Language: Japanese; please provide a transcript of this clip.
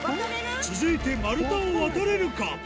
続いて丸太を渡れるか？